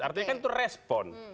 artinya kan itu respon